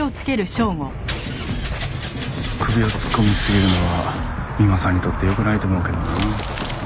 首を突っ込みすぎるのは三馬さんにとってよくないと思うけどな。